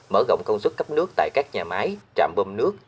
mở rộng công suất cấp nước tại các nhà máy trạm bơm nước